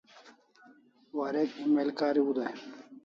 Warek email kariu dai